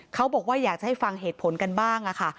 เขาบอกว่าอยากจะให้ฟังเหตุผลกันบ้างค่ะ